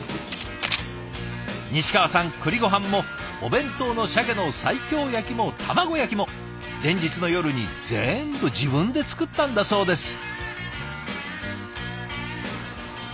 西川さん栗ごはんもお弁当のシャケの西京焼きも卵焼きも前日の夜に全部自分で作ったんだそうです。